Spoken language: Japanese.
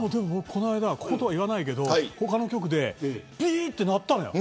この間、こことは言わないけど他の局でピーっと鳴ったのよ。